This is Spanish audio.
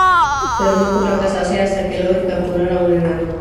Pero no podrá casase hasta que logre capturar a un enano.